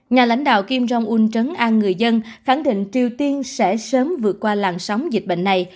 nhà lãnh đạo kim rong un trấn an người dân khẳng định triều tiên sẽ sớm vượt qua làn sóng dịch bệnh này